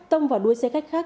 sở giáo dục đào tạo